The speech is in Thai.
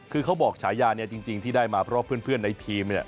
คือเขาบอกฉายาเนี่ยจริงที่ได้มาเพราะเพื่อนในทีมเนี่ย